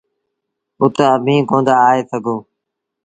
اُت اڀيٚنٚ ڪوندآ آئي سگھو۔